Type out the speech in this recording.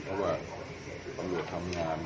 เพราะว่าตำรวจทำงาน